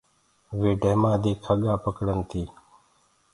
وي ڊيمآ دي کڳآ پَڪڙن تي۔